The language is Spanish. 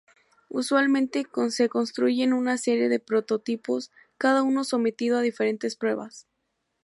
Usualmente, se construyen una serie de prototipos, cada uno sometido a diferentes pruebas.